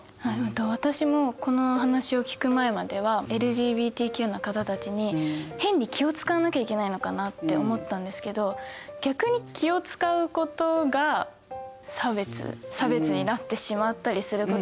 私もこのお話を聞く前まではＬＧＢＴＱの方たちに変に気をつかわなきゃいけないのかなって思ったんですけど逆に気をつかうことが差別差別になってしまったりすることもある。